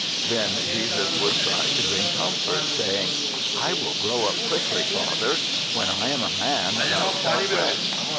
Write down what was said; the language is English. Then Jesus would try to bring comfort, saying, " I will grow up quickly, father; when I am 10 THE SEVENTH CHRISTMAS a man thou shalt rest."